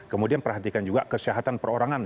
kemudian perhatikan juga kesehatan perorangan